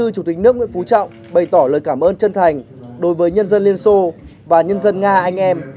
chủ tịch nước nguyễn phú trọng bày tỏ lời cảm ơn chân thành đối với nhân dân liên xô và nhân dân nga anh em